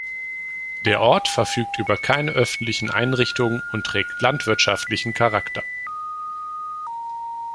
Der Ort verfügt über keine öffentlichen Einrichtungen und trägt landwirtschaftlichen Charakter.